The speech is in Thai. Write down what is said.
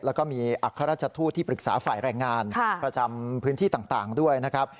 แล้วก็มีอัครราชทูตที่ปรึกษาฝ่ายแรงงานประจำพื้นที่ต่างด้วยนะครับ